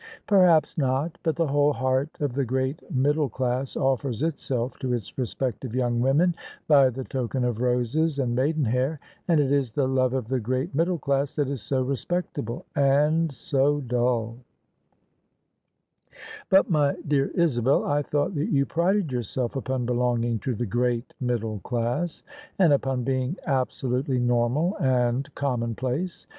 " Perhaps not. But the whole heart of the great middle class offers itself to its respective young women by the token of roses and maiden hair: and it is the love of the great middle class that is so respectable and so dull I "" But, my dear Isabel, I thought that you prided yourself upon belonging to the great middle class; and upon being absolutely normal and commonplace."